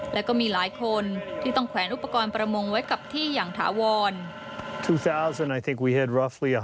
และก็มีหลายคนที่ต้องแขวนอุปกรณ์ประมงไว้กับที่อย่างถาวร